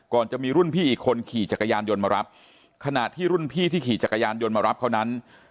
ก่อนจะมีรุ่นพี่อีกคนขี่จักรยานยนต์มารับขณะที่รุ่นพี่ที่ขี่จักรยานยนต์มารับเขานั้น